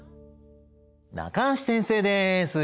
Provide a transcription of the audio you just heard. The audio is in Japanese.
中橋先生です